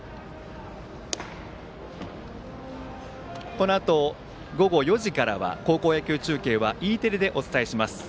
このあと午後４時からは高校野球中継はＥテレでお伝えします。